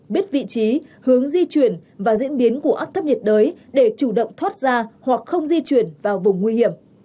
biết vị trí hướng di chuyển và diễn biến của áp thấp nhiệt đới để chủ động thoát ra hoặc không di chuyển vào vùng nguy hiểm